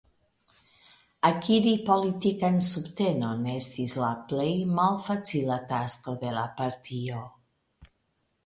Akiri politikan subtenon estis la plej malfacila tasko de la partio.